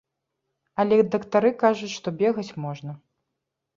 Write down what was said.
Але дактары кажуць, што бегаць можна.